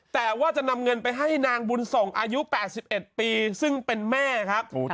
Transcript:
แต่ว่าจะนำเงินไปให้นางบุญส่งอายุ๘๑ปีซึ่งเป็นแม่ครับ